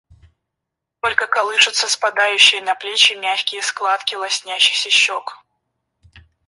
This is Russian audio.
Только колышутся спадающие на плечи мягкие складки лоснящихся щек.